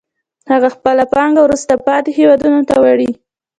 هغه خپله پانګه وروسته پاتې هېوادونو ته وړي